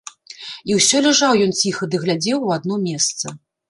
І ўсё ляжаў ён ціха ды глядзеў у адно месца.